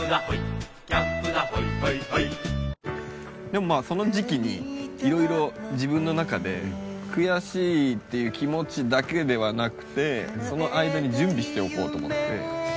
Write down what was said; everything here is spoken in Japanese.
でもまあその時期にいろいろ自分の中で悔しいっていう気持ちだけではなくてその間に準備しておこうと思って。